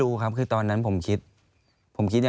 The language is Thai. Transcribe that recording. อันดับ๖๓๕จัดใช้วิจิตร